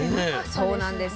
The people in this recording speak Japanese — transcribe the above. そうなんです。